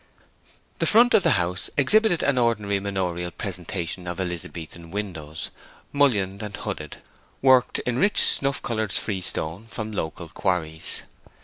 The front of the house exhibited an ordinary manorial presentation of Elizabethan windows, mullioned and hooded, worked in rich snuff colored freestone from local quarries.